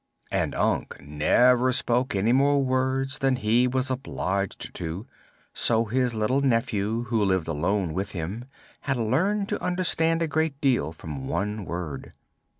And Unc never spoke any more words than he was obliged to, so his little nephew, who lived alone with him, had learned to understand a great deal from one word.